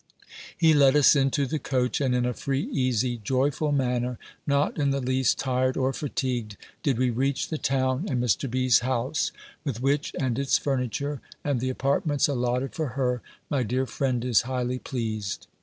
He led us into the coach; and in a free, easy, joyful manner, not in the least tired or fatigued, did we reach the town and Mr. B.'s house; with which and its furniture, and the apartments allotted for her, my dear friend is highly pleased.